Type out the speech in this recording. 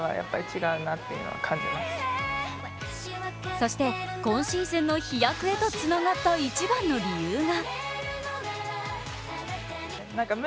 そして、今シーズンの飛躍へとつながった一番の理由が。